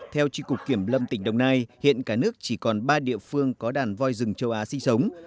theo tri cục kiểm lâm tỉnh đồng nai hiện cả nước chỉ còn ba địa phương có đàn voi rừng châu á sinh sống